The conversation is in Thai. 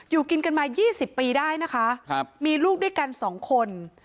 อยู่กินกันมา๒๐ปีได้นะคะมีลูกด้วยกัน๒คน